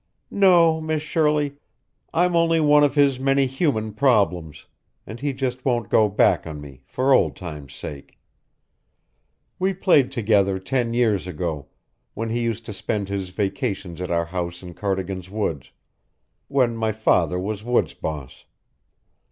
"No, Miss Shirley. I'm only one of his many human problems, and he just won't go back on me, for old sake's sake. We played together ten years ago, when he used to spend his vacations at our house in Cardigan's woods, when my father was woods boss.